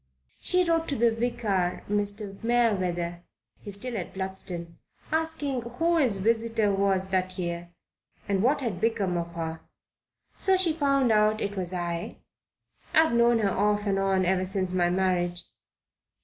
"She wrote to the vicar, Mr. Merewether he is still at Bludston asking who his visitor was that year and what had become of her. So she found out it was I. I've known her off and on ever since my marriage."